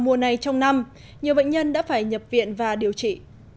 mùa này trong năm nhiều bệnh nhân đã phải nhập viện và điều trị